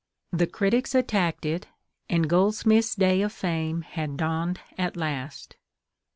The critics attacked it, and Goldsmith's day of fame had dawned at last.